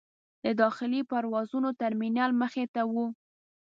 د داخلي پروازونو ترمینل مخې ته و.